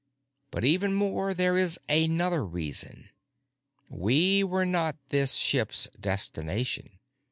But, even more, there is another reason. We were not this ship's destination!